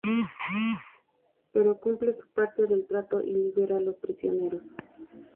Pero cumple su parte del trato y libera a los prisioneros.